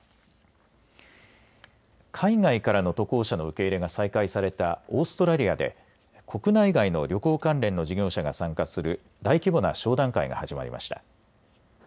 海外からの渡航者の受け入れが再開されたオーストラリアで、国内外の旅行関連の事業者が参加する大規模な商談会が始まりました。